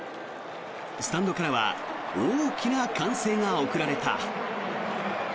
スタンドからは大きな歓声が送られた。